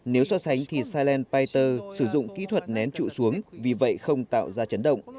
nếu so sánh thì cylent payter sử dụng kỹ thuật nén trụ xuống vì vậy không tạo ra chấn động